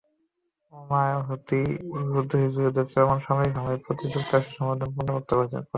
Obama Houthi বিদ্রোহীদের বিরুদ্ধে চলমান সামরিক হামলার প্রতি যুক্তরাষ্ট্রের সমর্থন পুনর্ব্যক্ত করেন।